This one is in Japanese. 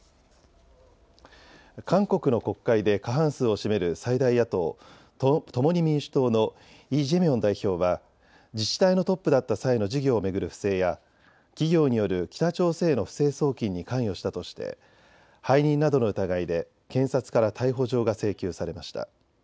韓国の国会で過半数を占める最大野党・共に民主党のイ・ジェミョン代表は自治体のトップだった際の事業を巡る不正や企業による北朝鮮への不正送金に関与したとして背任などの疑いで検察から逮捕状が請求されました。